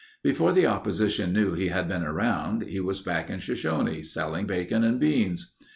Before the opposition knew he had been around, he was back in Shoshone selling bacon and beans.